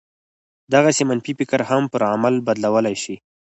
دغسې منفي فکر هم پر عمل بدلولای شي